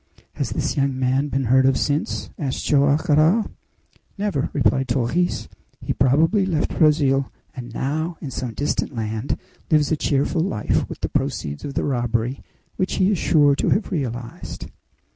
"Has this young man been heard of since?" asked Joam Garral. "Never," replied Torres. "He probably left Brazil, and now, in some distant land, lives a cheerful life with the proceeds of the robbery which he is sure to have realized."